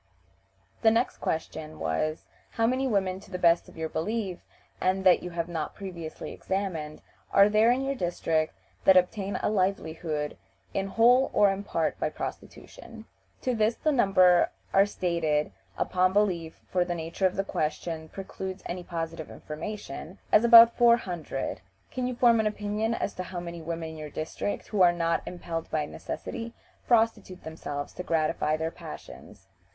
The next question was, "How many women, to the best of your belief, and that you have not previously examined, are there in your district that obtain a livelihood in whole or in part by prostitution?" To this the numbers are stated (upon belief, for the nature of the question precludes any positive information) as about four hundred. "Can you form an opinion as to how many women in your district, who are not impelled by necessity, prostitute themselves to gratify their passions?"